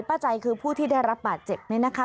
ใจคือผู้ที่ได้รับบาดเจ็บนี่นะคะ